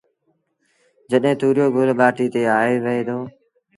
جڏهيݩ تُوريو گل ٻآٽيٚ تي آئي وهي دو